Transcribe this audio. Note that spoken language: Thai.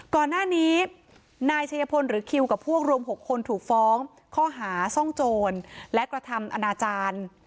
ก่อนหน้านี้นายชัยพลหรือคิวกับพวกรวม๖คนถูกฟ้องข้อหาซ่องโจรและกระทำอนาจารย์